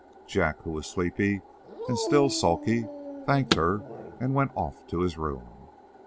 Jack, who was sleepy and still sulky, thanked her and went off to his room.